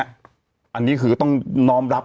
อันนี้คือต้องน้อมรับ